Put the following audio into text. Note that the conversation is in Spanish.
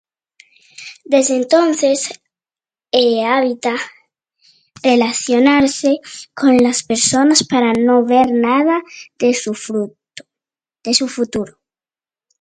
Desde entonces evita relacionarse con las personas para no "ver" nada de su futuro.